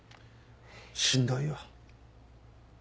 しんどいよ。